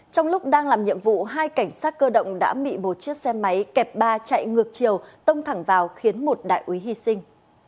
trong lúc đang làm nhiệm vụ hai cảnh sát cơ động đã bị một chiếc xe máy kẹp ba chạy ngược chiều tông thẳng vào khiến một đại úy hy sinh